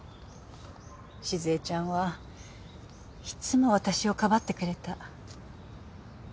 静江ちゃんはいつも私をかばってくれた。